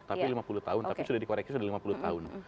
tapi lima puluh tahun tapi sudah dikoreksi sudah lima puluh tahun